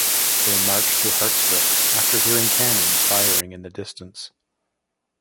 They marched to Hartsville after hearing cannons firing in the distance.